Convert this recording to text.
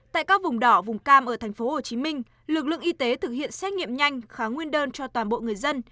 tại các vùng đỏ vùng cam ở tp hcm lực lượng y tế thực hiện xét nghiệm nhanh kháng nguyên đơn cho toàn bộ người dân